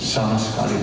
sama sekali tidak